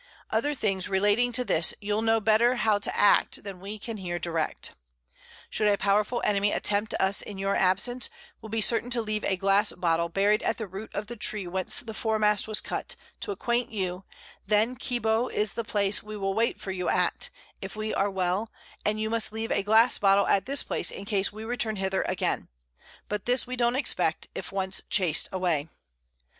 Other things relating to this you'll know better how to act than we can here direct._ _Should a powerful Enemy attempt us in your Absence, we'll be certain to leave a Glass Bottle buried at the Root of the Tree whence the Fore mast was cut, to acquaint you, then_ Quibo _is the Place we will wait for you at, if we are well, and you must leave a Glass Bottle at this Place in case we return hither again: But this we don't expect, if once chas'd away.